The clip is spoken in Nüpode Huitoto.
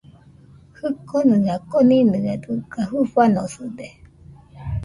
Jikonɨa koninɨaɨ dɨga jɨfanosɨde